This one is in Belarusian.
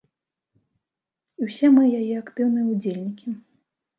І ўсе мы яе актыўныя ўдзельнікі.